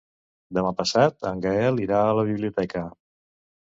Demà passat en Gaël irà a la biblioteca.